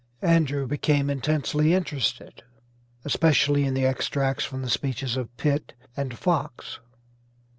Andrew became intensely interested, especially in the extracts from the speeches of Pitt and Fox.